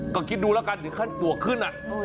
ก็คิดดูละกันถึงขั้นปลวกขึ้นน่ะ